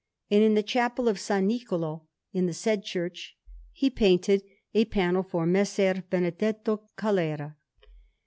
And in the Chapel of S. Niccolò, in the said church, he painted a panel for Messer Benedetto Calera.